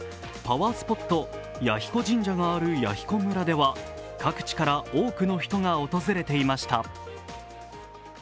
パワースポット、彌彦神社がある弥彦村では各地から多くの人が訪れていました。